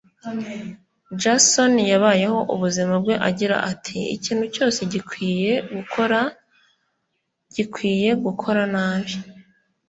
Jason yabayeho ubuzima bwe agira ati: "Ikintu cyose gikwiye gukora gikwiye gukora nabi